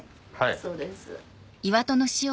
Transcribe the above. そうです。